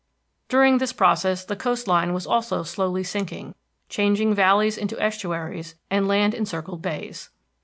During this process the coast line was also slowly sinking, changing valleys into estuaries and land encircled bays.